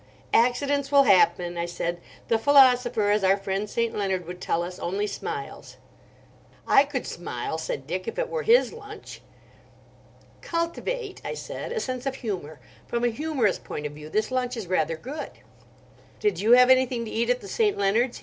"Accidents will happen," I said. "The philosopher—as our friend St. Leonard would tell us—only smiles." "I could smile," said Dick, "if it were his lunch." "Cultivate," I said, "a sense of humour. From a humorous point of view this lunch is rather good." "Did you have anything to eat at the St. Leonards'?"